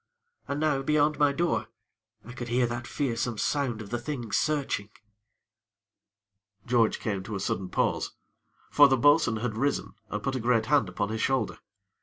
And now, beyond my door, I could hear that fearsome sound of the Thing searching " George came to a sudden pause; for the bo'sun had risen and put a great hand upon his shoulder.